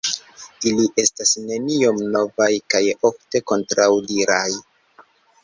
Ili estas neniom novaj kaj ofte kontraŭdiraj.